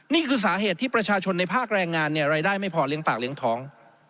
นี่คือสาเหตุที่ประชาชนในภาคแรงงานเนี่ยรายได้ไม่พอเลี้ยงปากเลี้ยงท้อง